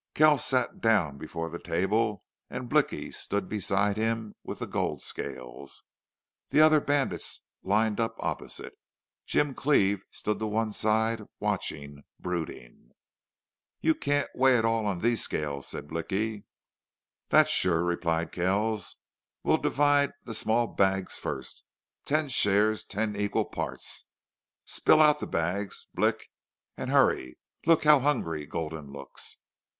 Kells sat down before the table and Blicky stood beside him with the gold scales. The other bandits lined up opposite. Jim Cleve stood to one side, watching, brooding. "You can't weigh it all on these scales," said Blicky. "That's sure," replied Kells. "We'll divide the small bags first.... Ten shares ten equal parts!... Spill out the bags. Blick. And hurry. Look how hungry Gulden looks!...